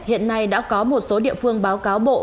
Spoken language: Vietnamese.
hiện nay đã có một số địa phương báo cáo bộ